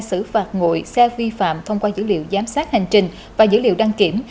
xử phạt ngụy xe vi phạm thông qua dữ liệu giám sát hành trình và dữ liệu đăng kiểm